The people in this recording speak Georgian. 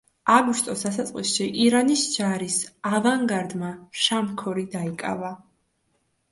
აგვისტოს დასაწყისში ირანის ჯარის ავანგარდმა შამქორი დაიკავა.